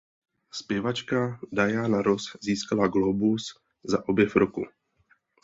Zpěvačka Diana Ross získala Glóbus za objev roku.